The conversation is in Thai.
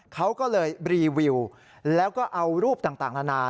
เขาก็เลยรีวิวแล้วก็เอารูปต่างนานา